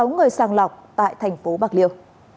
sáu người sàng lọc tại thành phố bạc liêu